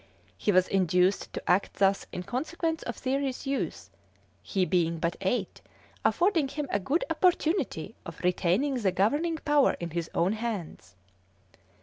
He was induced to act thus in consequence of Thierry's youth, he being but eight, affording him a good opportunity of retaining the governing power in his own hands.